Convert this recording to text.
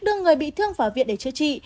đưa người bị thương vào viện để chữa trị